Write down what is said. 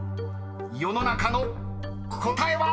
［世の中の答えは⁉］